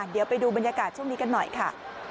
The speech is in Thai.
เดี๋ยวไปดูบรรยากาศช่วงนี้กันหน่อยค่ะ